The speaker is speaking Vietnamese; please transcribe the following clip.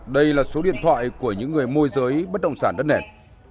đây là số điện thoại của những người môi giới bất động sản đất nẻ